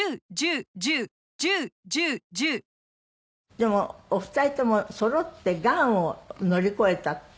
でもお二人ともそろってがんを乗り越えたって。